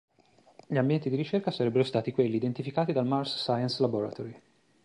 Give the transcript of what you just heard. Gli ambienti di ricerca sarebbero stati quelli identificati dal Mars Science Laboratory.